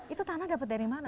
itu tanah dapat dari mana